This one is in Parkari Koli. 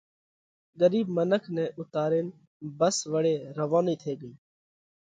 ڳرِيٻ منک نئہ اُوتارينَ ڀس وۯي روَونئِي ٿي ڳئِي۔